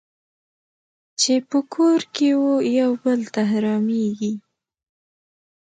چې په کور کې وو یو بل ته حرامېږي.